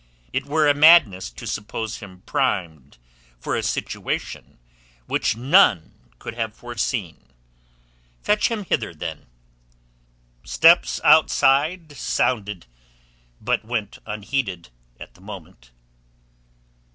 It were a madness to suppose him primed for a situation which none could have foreseen. Fetch him hither, then." Steps sounded outside but went unheeded at the moment.